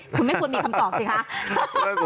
คุณไม่ควรมีคำตอบสิคะ